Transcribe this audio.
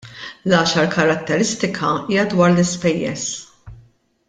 L-għaxar karatteristika hija dwar l-ispejjeż.